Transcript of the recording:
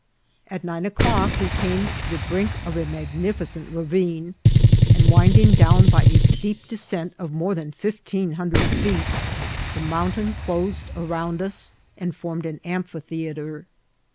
At nine o'clock we came to the brink of a mag« nificent ravine, and winding down by a steep descent of more than fifteen hundred feet, the mountains closed around us and formed an amphitheatre.